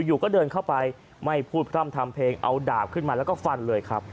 อยู่ก็เดินเข้าไปไม่พูดพร่ำทำเพลงเอาดาบขึ้นมาแล้วก็ฟันเลยครับ